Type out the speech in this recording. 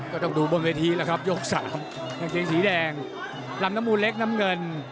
ต้องดูบนเวทีแล้วครับยกสามกางเกงสีแดงลำน้ำมูลเล็กน้ำเงิน